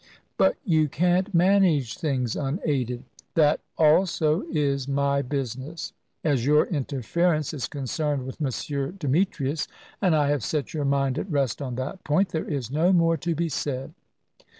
"But you can't manage things unaided." "That also is my business. As your interference is concerned with M. Demetrius, and I have set your mind at rest on that point, there is no more to be said."